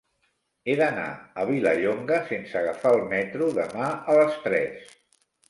He d'anar a Vilallonga sense agafar el metro demà a les tres.